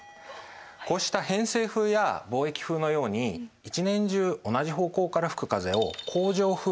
こうした偏西風や貿易風のように一年中同じ方向から吹く風を恒常風というふうにいいます。